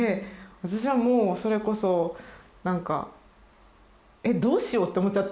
私はもうそれこそ「えっどうしよう」と思っちゃって。